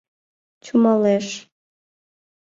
чумалеш.